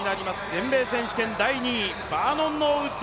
全米選手権第２位、バーノン・ノーウッド。